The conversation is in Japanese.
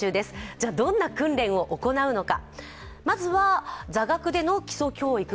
じゃあ、どんな訓練を行うのか。